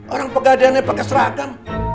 orang pegadiannya pakai seragam